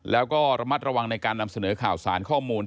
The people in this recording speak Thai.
แล้วก็ระมัดระวังในการนำเสนอข่าวสารข้อมูล